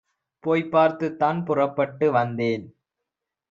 போய்ப் பார்த்துத்தான் புறப்பட்டு வந்தேன்"